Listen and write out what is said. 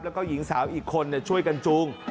แล้วก็หญิงสาวอีกคนช่วยกันจูง